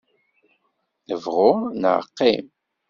Bɣu neɣ qim.